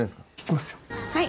はい。